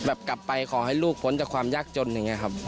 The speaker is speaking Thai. กลับไปขอให้ลูกพ้นจากความยากจนอย่างนี้ครับ